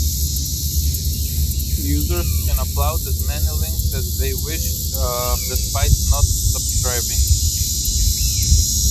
Users can upload as many links as they wish despite not subscribing.